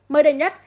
mới đầy nhất